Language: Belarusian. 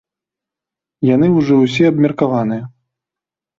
Яны ўжо ўсе абмеркаваныя.